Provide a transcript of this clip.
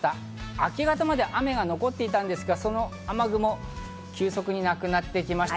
明け方まで雨が残っていましたが、その雨雲は急速になくなってきました。